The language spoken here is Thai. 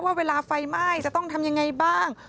ว่าเวลาไฟไหม้จะต้องทำยังไงบ้าง